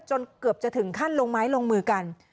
จนเกือบจะถึงขั้นลงไม้ลงมือกัน